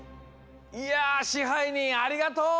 いや支配人ありがとう！